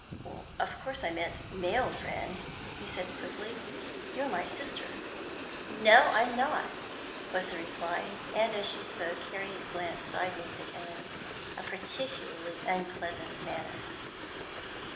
"Of course I meant male friend," he said quickly. "You are my sister." "No, I'm not," was the reply; and, as she spoke, Harriet glanced sideways at him in a particularly unpleasant manner.